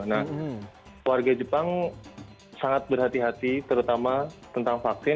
nah warga jepang sangat berhati hati terutama tentang vaksin